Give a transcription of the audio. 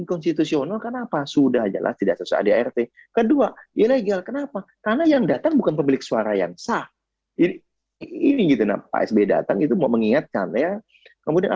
ketua majelis tinggi partai demokrat tidak akan terjadi